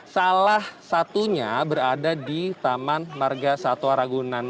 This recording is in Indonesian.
salah satunya berada di taman marga satwa ragunan